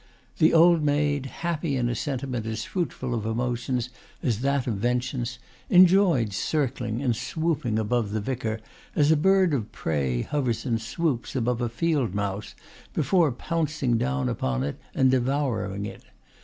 The old maid, happy in a sentiment as fruitful of emotions as that of vengeance, enjoyed circling and swooping above the vicar as a bird of prey hovers and swoops above a field mouse before pouncing down upon it and devouring it.